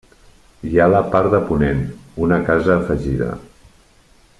Hi ha a la part de ponent, una casa afegida.